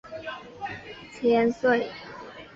吴府千岁还有配偶神吴府千岁夫人。